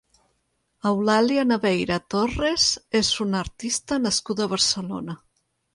Eulàlia Naveira Torres és una artista nascuda a Barcelona.